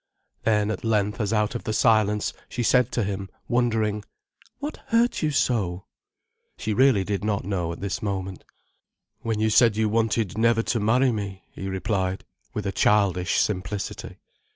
Then at length, as out of the silence, she said to him, wondering: "What hurt you so?" She really did not know, at this moment. "When you said you wanted never to marry me," he replied, with a childish simplicity.